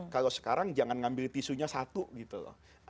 kalau sekarang jangan ngambil tisunya satu gitu loh